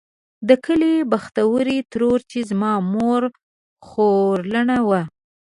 د کلي بختورې ترور چې زما مور خورلڼه وه.